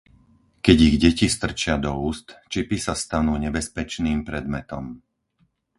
Keď ich deti strčia do úst, čipy sa stanú nebezpečným predmetom.